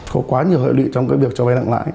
có quá nhiều hợp lý trong việc cho vay lãi nặng